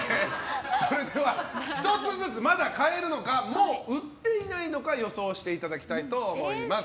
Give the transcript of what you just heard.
それでは、１つずつまだ買えるのかもう売っていないのか予想していただきたいと思います。